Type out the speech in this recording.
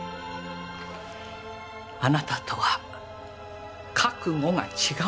あなたとは覚悟が違う。